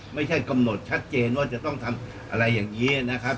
ไม่ใช่กำหนดชัดเจนว่าจะต้องทำอะไรอย่างนี้นะครับ